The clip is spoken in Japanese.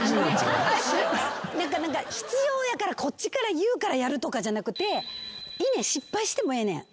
必要やからこっちから言うからやるとかじゃなくて失敗してもええねん。